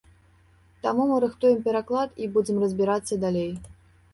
Таму мы рыхтуем пераклад і будзем разбірацца далей.